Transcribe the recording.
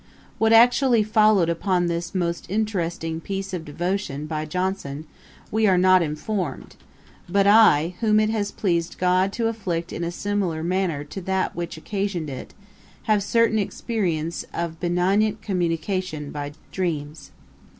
] What actually followed upon this most interesting piece of devotion by Johnson, we are not informed; but I, whom it has pleased GOD to afflict in a similar manner to that which occasioned it, have certain experience of benignant communication by dreams.